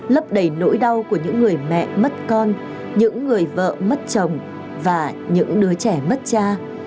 lấp đầy nỗi đau của những người mẹ mất con những người vợ mất chồng và những đứa trẻ mất cha